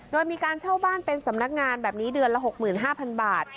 โดยมีการเช่าบ้านเป็นสำนักงานแบบนี้เดือนละ๖๕๐๐๐บาท